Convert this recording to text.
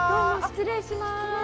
失礼します。